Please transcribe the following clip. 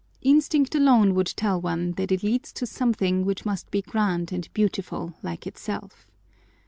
Instinct alone would tell one that it leads to something which must be grand and beautiful like itself.